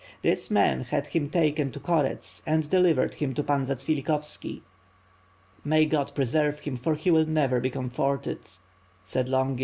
This man had him taken to Korets and delivered him to Pan Zatsvilikhovski." "May God preserve him, for he will never be comforted," said Longin.